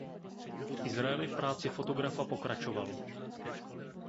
V Izraeli v práci fotografa pokračoval.